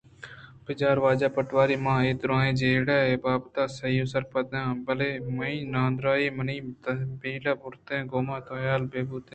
بچار واجہ پٹواری! من اے دُرٛاہیں جیڑہ ئے بابتءَ سہی ءُسرپد اں بلئے منی نادُرٛاہی ءَ منی تہمبل بُرتگ کہ گوں تو احوال بہ بوتیں اَت